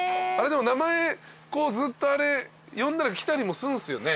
でも名前ずっと呼んだら来たりもするんすよね？